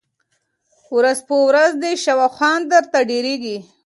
ورځ په ورځ دي شواخون درته ډېرېږی